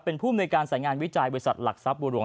เป็นภูมิในการสายงานวิจัยบริษัทหลักทรัพย์บัวหลวง